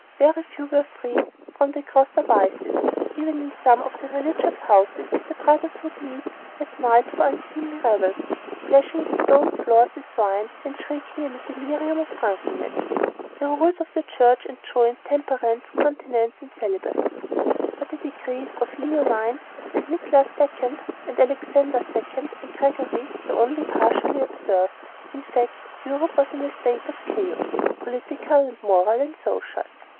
Very few were free from the grosser vices. Even in some of the religious houses the brothers would meet at night for unseemly revels, splashing the stone floors with wine and shrieking in a delirium of drunkenness. The rules of the Church enjoined temperance, continence, and celibacy; but the decrees of Leo IX. and Nicholas II. and Alexander II. and Gregory were only partially observed. In fact, Europe was in a state of chaos political and moral and social.